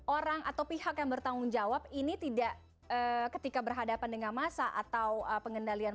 orang atau pihak yang bertanggung jawab ini tidak ketika berhadapan dengan massa atau pengendalian